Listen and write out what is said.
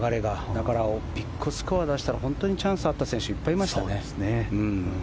だから、ビッグスコアを出したら本当にチャンスがあった選手はいっぱいいましたね。